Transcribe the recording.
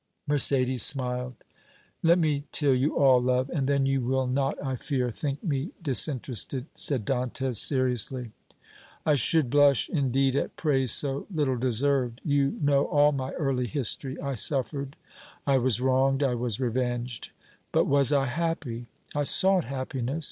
Mercédès smiled. "Let me tell you all, love, and then you will not, I fear, think me disinterested," said Dantès seriously. "I should blush, indeed, at praise so little deserved. You know all my early history. I suffered I was wronged I was revenged. But was I happy? I sought happiness.